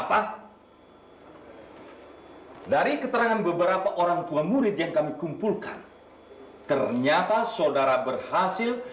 hai dari keterangan beberapa orang tua murid yang kami kumpulkan ternyata saudara berhasil